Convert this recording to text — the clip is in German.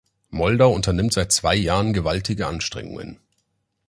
Moldau unternimmt seit zwei Jahren gewaltige Anstrengungen.